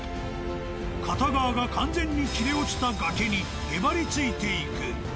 片側が完全に切れ落ちた崖にへばりついていく。